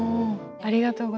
ありがとうございます。